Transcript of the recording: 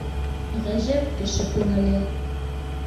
Ғәжәп кеше күңеле.